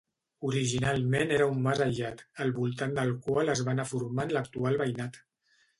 Originalment era un mas aïllat, al voltant del qual es va anar formant l'actual veïnat.